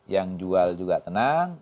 yang jual juga tenang